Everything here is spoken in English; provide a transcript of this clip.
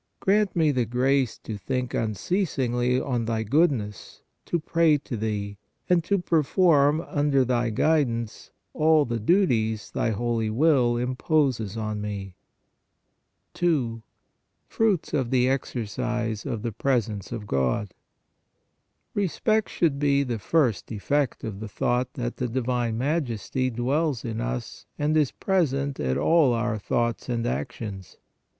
Grant me the grace to think unceasingly on Thy goodness, to pray to Thee, and to perform, under Thy guidance all the duties Thy holy will imposes on me. 2. FRUITS OF THE EXERCISE OF THE PRESENCE OF GOD. Respect should be the first effect of the thought that the Divine Majesty dwells in us and is present at all our thoughts and actions.